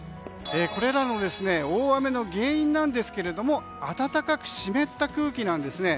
これらの大雨の原因ですが暖かく湿った空気なんですね。